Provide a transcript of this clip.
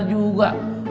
kasih guru ngajar juga